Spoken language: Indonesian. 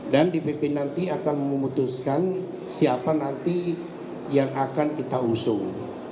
dpp nanti akan memutuskan siapa nanti yang akan kita usung